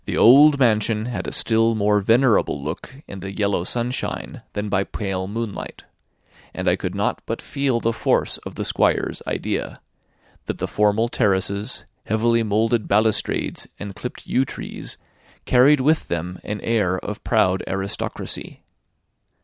The old mansion had a still more venerable look in the yellow sunshine than by pale moonlight; and I could not but feel the force of the Squire's idea, that the formal terraces, heavily moulded balustrades, and clipped yew trees, carried with them an air of proud aristocracy.